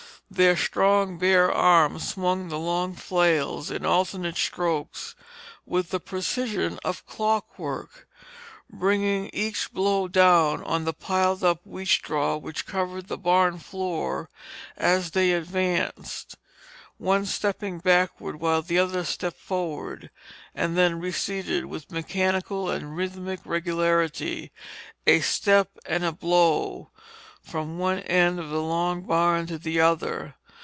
Their strong, bare arms swung the long flails in alternate strokes with the precision of clockwork, bringing each blow down on the piled up wheat straw which covered the barn floor, as they advanced, one stepping backward while the other stepped forward, and then receded with mechanical and rhythmic regularity, a step and a blow, from one end of the long barn to the other.